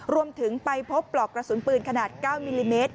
รวมถึงไปพบปลอกกระสุนปืนขนาด๙มิลลิเมตร